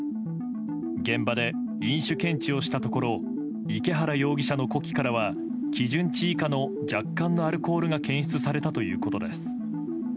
現場で飲酒検知をしたところ池原容疑者の呼気からは基準値以下の若干のアルコールが検出されたということです。